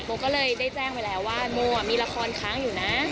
ก็เลยได้แจ้งไปแล้วว่าโมมีละครค้างอยู่นะ